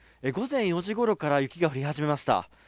午前４時ごろから雪が降り始めました